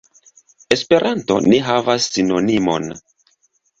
Esperanto ne havas sinonimon.